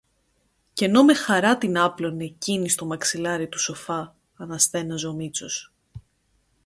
Κι ενώ με χαρά την άπλωνε κείνη στο μαξιλάρι τού σοφά, αναστέναζε ο Μήτσος.